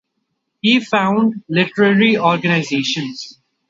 He founded literary organizations.